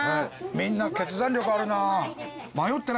みんな決断力あるな。